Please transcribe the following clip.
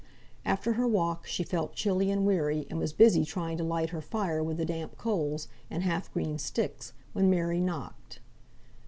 After her walk she felt chilly and weary, and was busy trying to light her fire with the damp coals, and half green sticks, when Mary knocked.